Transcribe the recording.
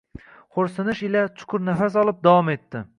xo‘rsinish ila chuqur nafas olib, davom etdi: